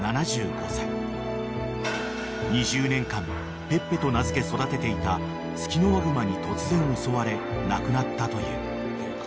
［２０年間ペッペと名付け育てていたツキノワグマに突然襲われ亡くなったという］